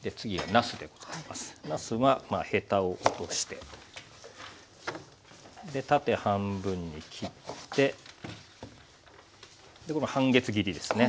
なすはヘタを落として縦半分に切って半月切りですね。